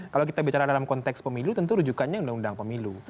kalau kita bicara dalam konteks pemilu tentu rujukannya undang undang pemilu